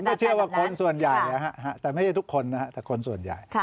ก็เชื่อว่าคนส่วนใหญ่แต่ไม่ใช่ทุกคนนะฮะแต่คนส่วนใหญ่